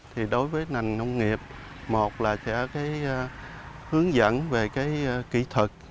thì đối với nành nông nghiệp một là sẽ hướng dẫn về kỹ thuật